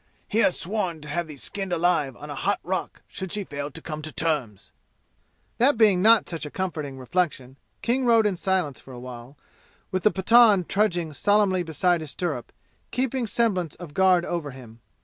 He has sworn to have thee skinned alive on a hot rock should she fail to come to terms!" That being not such a comforting reflection, King rode in silence for a while, with the Pathan trudging solemnly beside his stirrup keeping semblance of guard over him.